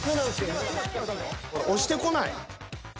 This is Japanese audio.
［押してこない］